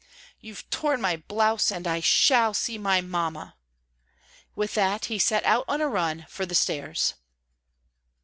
"You've torn my blouse, and I shall see my Mamma." With that he set out on a run for the stairs.